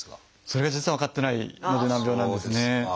それが実は分かってないので難病なんですね。